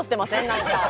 何か。